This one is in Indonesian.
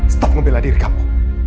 stop ngebela diri kamu